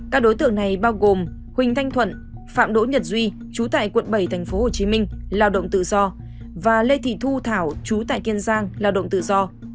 các đối tượng này bao gồm huỳnh thanh thuận phạm đỗ nhật duy chú tại quận bảy tp hcm lao động tự do và lê thị thu thảo chú tại kiên giang lao động tự do